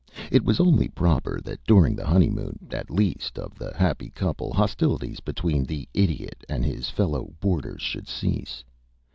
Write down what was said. It was only proper that during the honey moon, at least, of the happy couple hostilities between the Idiot and his fellow boarders should cease.